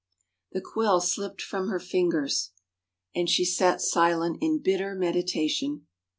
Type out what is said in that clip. The quill slipped from her fingers and she sat silent, in bitter meditation.